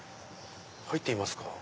入ってみますか。